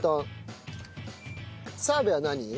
澤部は何？